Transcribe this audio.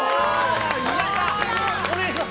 お願いします！